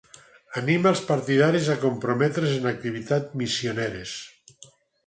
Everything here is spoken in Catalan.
Anima els partidaris a comprometre's en activitats missioneres.